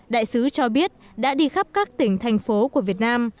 đại sứ cho biết đã đi khắp các tỉnh thành phố của việt nam